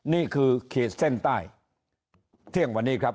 นี่คือขีดเส้นใต้เที่ยงวันนี้ครับ